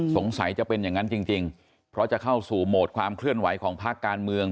จะเป็นอย่างนั้นจริงเพราะจะเข้าสู่โหมดความเคลื่อนไหวของภาคการเมือง